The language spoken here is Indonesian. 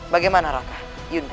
bagaimana raka yunda